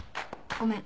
ごめん。